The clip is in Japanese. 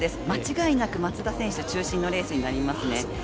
間違いなく松田選手中心のレースになりますね。